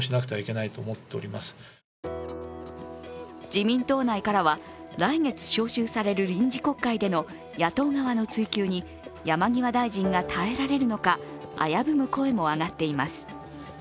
自民党内からは、来月召集される臨時国会での野党側の追及に山際大臣が耐えられるのか危ぶむ声も上がっています。